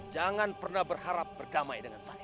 jangan pernah berharap berdamai dengan saya